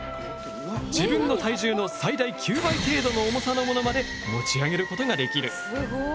自分の体重の最大９倍程度の重さのものまで持ち上げることができる。